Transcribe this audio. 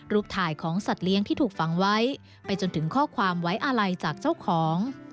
ถ่ายของสัตว์เลี้ยงที่ถูกฝังไว้ไปจนถึงข้อความไว้อาลัยจากเจ้าของ